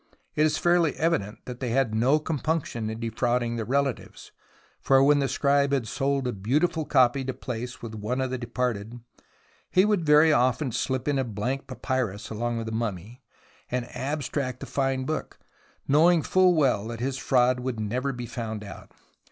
It is fairly evident that they had no compunction in defrauding the relatives, for when the scribe had sold a beautiful copy to place with one of the departed, he would very often slip in a blank papyrus along with the mummy, and abstract the fine Book, knowing full well that his fraud would THE ROMANCE OF EXCAVATION 53 never be found out.